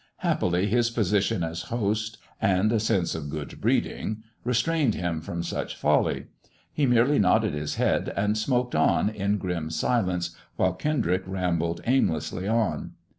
Happily, his position as host and a sense of good breeding restrained him from such folly. He merely nodded his head, and smoked on in grim silence, while Kendrick rambled aimlessly on.